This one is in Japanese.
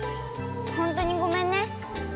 ほんとにごめんね。